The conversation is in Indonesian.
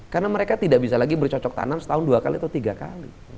karena mereka tidak bisa lagi bercocok tanam setahun dua kali atau tiga kali